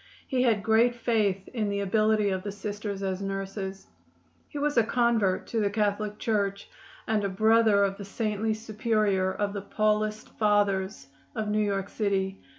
He had great faith in the ability of the Sisters as nurses. He was a convert to the Catholic Church, and a brother of the saintly superior of the Paulist Fathers of New York city.